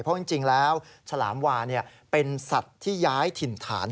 เพราะจริงแล้วฉลามวาเป็นสัตว์ที่ย้ายถิ่นฐาน